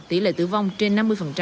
tỷ lệ tử vong trên năm mươi